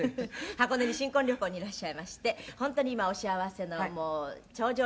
「箱根に新婚旅行にいらっしゃいまして本当に今お幸せの頂上にいらっしゃるようですけど」